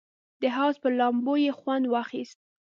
د حوض پر لامبو یې خوند واخیست.